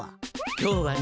今日はね